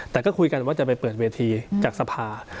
แต่ก็คุยกันว่าจะไปเปิดเวทีจากสภา